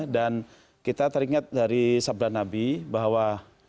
dan kita teringat dari sabda nabi bahwa